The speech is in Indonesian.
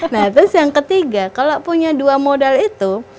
nah terus yang ketiga kalau punya dua modal itu